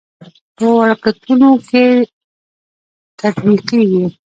په وړکتونونو کې تطبیقېږي.